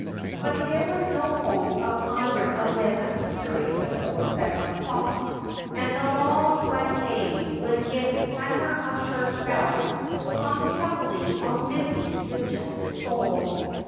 But there was no hope of either of them appearing before seven o'clock. And the long, blank day, with its clamour of church bells, hung heavily on Lizzie's dejected soul.